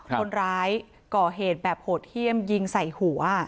คนร้ายก่อเหตุแบบโหดเยี่ยมยิงใส่หัว